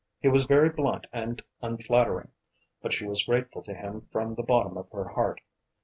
He was very blunt and unflattering, but she was grateful to him from the bottom of her heart.